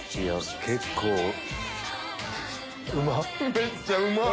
めっちゃうまい！